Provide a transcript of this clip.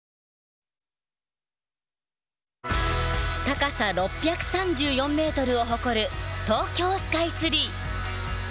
高さ６３４ｍを誇る東京スカイツリー。